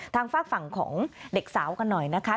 ฝากฝั่งของเด็กสาวกันหน่อยนะคะ